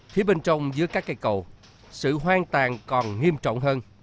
khi bên trong giữa các cây cầu sự hoang tàn còn nghiêm trọng hơn